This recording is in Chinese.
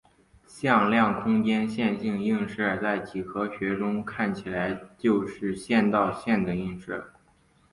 向量空间的线性映射在几何学中看起来就是线到线的映射。